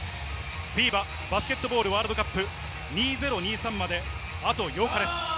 ＦＩＢＡバスケットボールワールドカップ２０２３まで、あと８日です。